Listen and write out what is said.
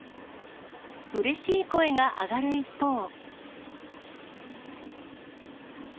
うれしい声が上がる一方。